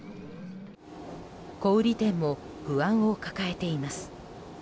小売店も不安を抱えています。